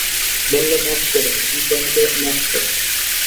বললে, মাপ করো, অন্তু, আমাকে মাপ করো।